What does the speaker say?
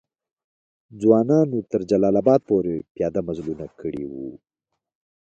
ځوانانو تر جلال آباد پوري پیاده مزلونه کړي وو.